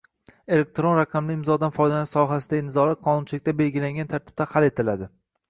Elektron raqamli imzodan foydalanish sohasidagi nizolar qonunchilikda belgilangan tartibda hal etiladi.